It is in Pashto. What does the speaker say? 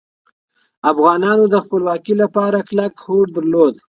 افغانانو د خپلواکۍ لپاره کلک هوډ درلود.